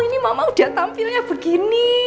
ini mama udah tampilnya begini